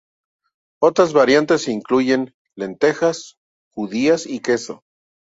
Otras variantes incluyen lentejas, judías y queso.